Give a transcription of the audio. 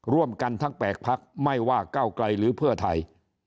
ร่วมกันทั้ง๘พักไม่ว่าก้าวไกลหรือเพื่อไทย